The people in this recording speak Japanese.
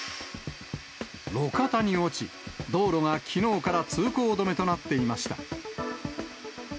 路肩に落ち、道路がきのうから通行止めとなっていました。